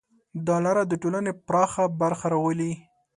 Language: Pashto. دا لاره د ټولنې پراخه برخه راولي.